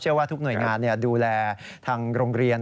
เชื่อว่าทุกหน่วยงานนี่ดูแลทางโรงเรียน